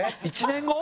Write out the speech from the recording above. １年後！？